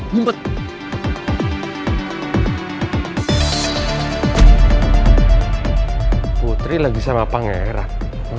semogalah putri yusus goreng